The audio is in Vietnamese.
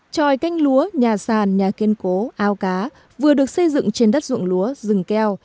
tròi canh lúa nhà sàn nhà kiên cố ao cá vừa được xây dựng trên đất ruộng lúa rừng keo